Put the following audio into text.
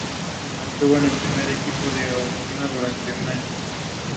The calendar arrangement brings together notions of harmony and organization.